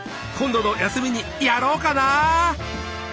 今度の休みにやろうかな。